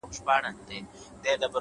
هره تجربه د فکر نوی اړخ پرانیزي؛